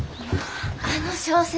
あの小説